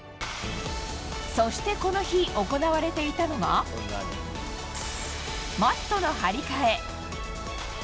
そしてこの日、行われていたのがマットの張り替え。